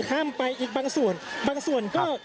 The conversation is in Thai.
คุณภูริพัฒน์บุญนิน